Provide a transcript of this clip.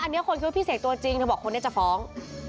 อันนี้คนคิดว่าพี่เสกตัวจริงเธอบอกคนนี้จะฟ้อง